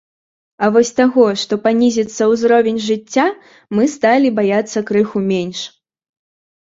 А вось таго, што панізіцца ўзровень жыцця, мы сталі баяцца крыху менш.